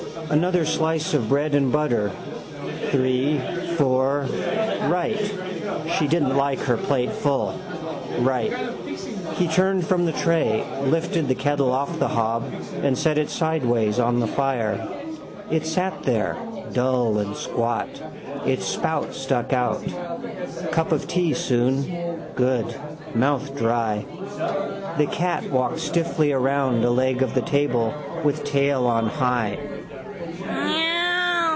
Another slice of bread and butter: three, four: right. She didn't like her plate full. Right. He turned from the tray, lifted the kettle off the hob and set it sideways on the fire. It sat there, dull and squat, its spout stuck out. Cup of tea soon. Good. Mouth dry. The cat walked stiffly round a leg of the table with tail on high.